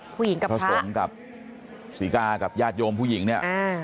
ผู้หญิงกับพระสงฆ์กับศรีกากับญาติโยมผู้หญิงเนี่ย